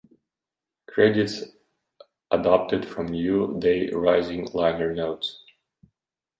Credits adapted from "New Day Rising" liner notes.